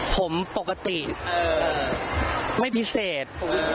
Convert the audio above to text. ผมปกติไม่พิเศษ